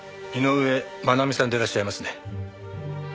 井上真奈美さんでいらっしゃいますね。